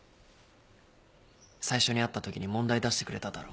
最初に会ったときに問題出してくれただろ？